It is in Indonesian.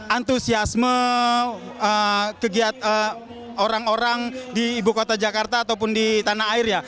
antusiasme orang orang di ibu kota jakarta ataupun di tanah air ya